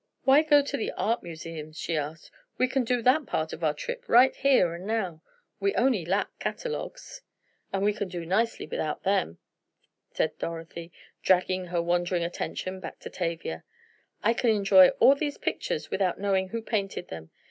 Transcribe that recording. "Why go to the art museums?" she asked, "we can do that part on our trip right here and now; we only lack catalogues." "And we can do nicely without them," said Dorothy, dragging her wandering attention back to Tavia. "I can enjoy all these pictures without knowing who painted them.